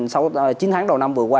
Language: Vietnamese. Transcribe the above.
sau chín tháng đầu năm vừa qua